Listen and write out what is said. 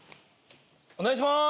お願いします！